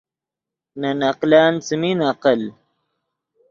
نے نقلن څیمین عقل